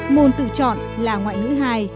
môn tự chọn là ngoại ngữ hai